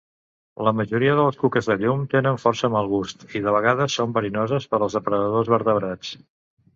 La majoria de les cuques de llum tenen força mal gust i, de vegades, són verinoses per als depredadors vertebrats.